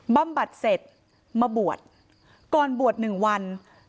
บำบัดเสร็จมาบวชก่อนบวชหนึ่งวัน